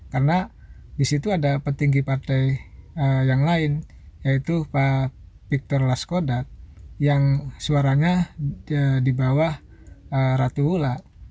karena di situ ada petinggi partai yang lain yaitu pak victor laiskodat yang suaranya di bawah ratu wula